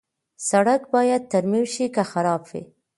سړک باید ترمیم شي که خراب وي.